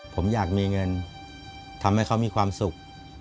ผมอยากมีเงินทำให้เขามีความสุข